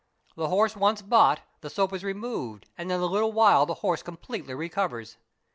The horse once bought the soap is removed and in a little while the animal completely recovers.